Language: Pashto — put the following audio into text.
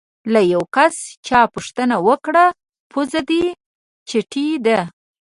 له یو کس چا پوښتنه وکړه: پوزه دې چیتې ده؟